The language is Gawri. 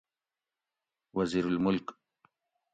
وزیرالملک